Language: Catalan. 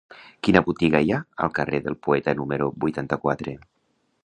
Quina botiga hi ha al carrer del Poeta número vuitanta-quatre?